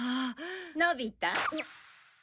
のび太。